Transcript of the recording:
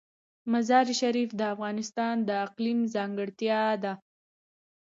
مزارشریف د افغانستان د اقلیم ځانګړتیا ده.